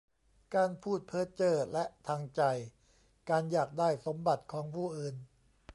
การพูดเพ้อเจ้อ และทางใจ การอยากได้สมบัติของผู้อื่น